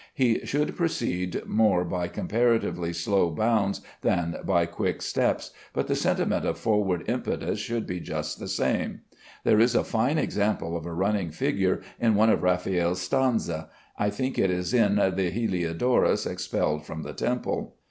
He should proceed more by comparatively slow bounds than by quick steps, but the sentiment of forward impetus should be just the same. There is a fine example of a running figure in one of Raffaelle's stanze. I think it is in the "Heliodorus Expelled from the Temple."